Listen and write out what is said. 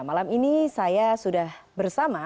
malam ini saya sudah bersama